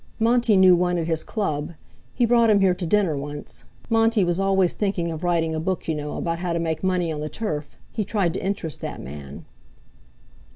"Monty knew one at his Club. He brought him here to dinner once. Monty was always thinking of writing a book, you know, about how to make money on the turf. He tried to interest that man."